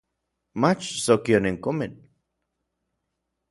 Mach sokio nin komitl